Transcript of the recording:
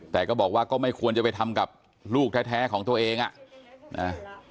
แต่ก็บอกว่าก็ไม่ควรจะไปทำกับลูกแท้ของตัวเองอ่ะนะ